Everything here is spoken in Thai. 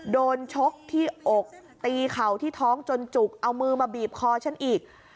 ชกที่อกตีเข่าที่ท้องจนจุกเอามือมาบีบคอฉันอีก